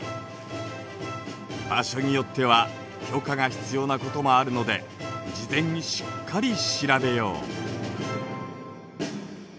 場所によっては許可が必要なこともあるので事前にしっかり調べよう。